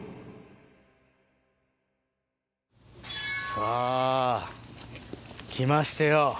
さぁ来ましたよ。